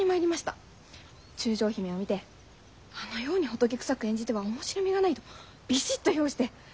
「中将姫」を見て「あのように仏くさく演じては面白みがない」とビシッと評して。